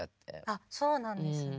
あっそうなんですね。